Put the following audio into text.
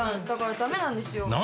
だから駄目なんですよ。